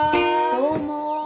どうも。